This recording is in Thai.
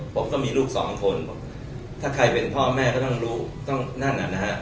ผมก็มีลูกสองคนถ้าใครเป็นพ่อแม่ก็ต้องรู้ต้องนั่นอ่ะนะฮะ